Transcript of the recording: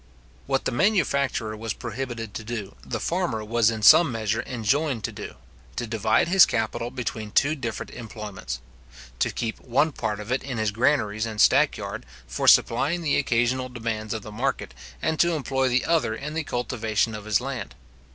What the manufacturer was prohibited to do, the farmer was in some measure enjoined to do; to divide his capital between two different employments; to keep one part of it in his granaries and stack yard, for supplying the occasional demands of the market, and to employ the other in the cultivation of his land.